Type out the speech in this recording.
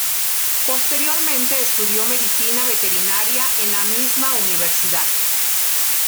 Posteriormente estudió medicina veterinaria en la misma universidad.